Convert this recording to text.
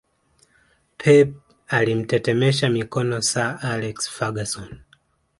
Pep alimtetemesha mikono Sir Alex Ferguson